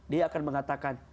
dia akan mengatakan